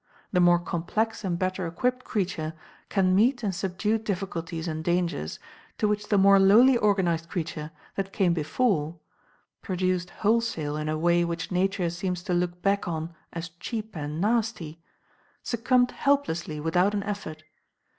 The more complex and better equipped creature can meet and subdue difficulties and dangers to which the more lowly organized creature that came before produced wholesale in a way which Nature seems to look back on as cheap and nasty succumbed helplessly without an effort.